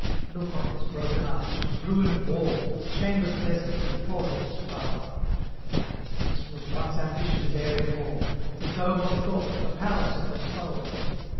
Look on its broken arch, its ruined wall, Its chambers desolate, and portals foul: Yes, this was once Ambition's airy hall, The dome of Thought, the Palace of the Soul.